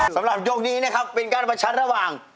สำหรับยกนี้นะครับเป็นการประชันระหว่าง